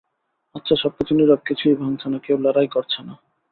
আচ্ছা, সবকিছু নীরব, কিছুই ভাঙ্গছে না, কেউ লড়াই করছে না।